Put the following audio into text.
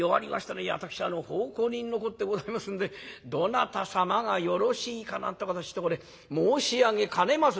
いえ私奉公人のこってございますんでどなた様がよろしいかなんてことちょっとこれ申し上げかねます」。